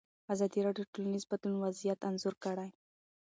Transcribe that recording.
ازادي راډیو د ټولنیز بدلون وضعیت انځور کړی.